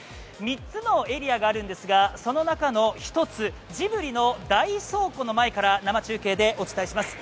３つのエリアがあるんですがその中の１つ、ジブリの大倉庫の前から生中継でお送りします。